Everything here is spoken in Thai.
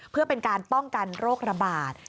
เพื่อเป็นการป้องกันโรคระบาด